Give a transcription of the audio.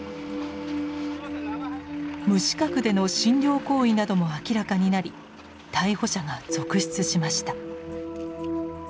無資格での診療行為なども明らかになり逮捕者が続出しました。